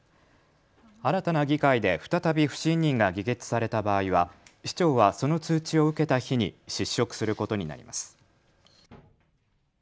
新たな議会で再び不信任が議決された場合は市長はその通知を受けた日に失職することになります。